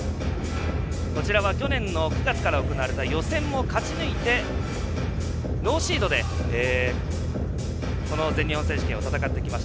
こちらは去年の９月から行われた予選も勝ち抜いてノーシードでこの全日本選手権を戦ってきました。